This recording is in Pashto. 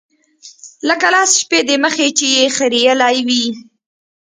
لکه لس شپې د مخه چې يې خرييلي وي.